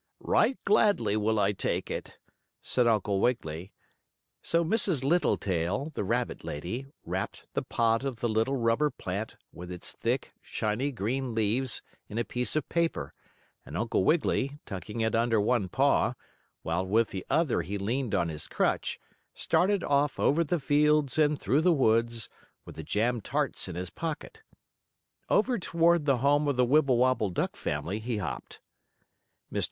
"Right gladly will I take it," said Uncle Wiggily. So Mrs. Littletail, the rabbit lady, wrapped the pot of the little rubber plant, with its thick, shiny green leaves, in a piece of paper, and Uncle Wiggily, tucking it under one paw, while with the other he leaned on his crutch, started off over the fields and through the woods, with the jam tarts in his pocket. Over toward the home of the Wibblewobble duck family he hopped. Mr.